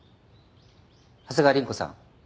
長谷川凛子さん